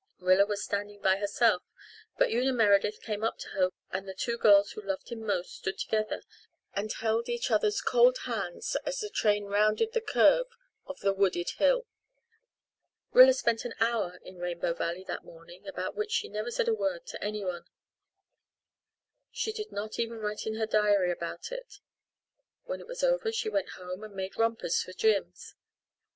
Rilla was standing by herself, but Una Meredith came to her and the two girls who loved him most stood together and held each other's cold hands as the train rounded the curve of the wooded hill. Rilla spent an hour in Rainbow Valley that morning about which she never said a word to anyone; she did not even write in her diary about it; when it was over she went home and made rompers for Jims.